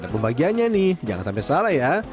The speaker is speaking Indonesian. pembagiannya nih jangan sampai salah ya